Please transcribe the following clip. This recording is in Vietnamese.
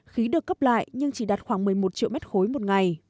khí được cấp lại nhưng chỉ đạt khoảng một mươi một triệu m ba một ngày